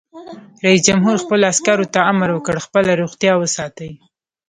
رئیس جمهور خپلو عسکرو ته امر وکړ؛ خپله روغتیا وساتئ!